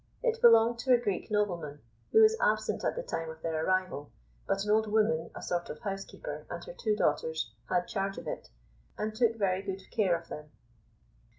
It belonged to a Greek nobleman, who was absent at the time of their arrival, but an old woman, a sort of housekeeper, and her two daughters had charge of it, and took very good care of them.